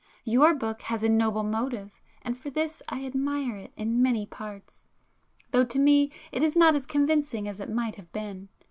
Your book has a noble motive; and for this I admire it in many parts, though to me it is not as convincing as it might have been.